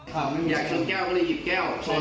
อยากชนแก้วก็เลยหยิบแก้วชน